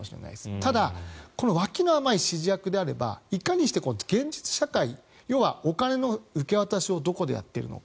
ただ、脇の甘い指示役であればいかにして現実社会要はお金の受け渡しをどこでやっているのか。